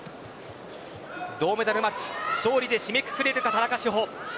銅メダルマッチ、勝利で締めくくれるか田中志歩。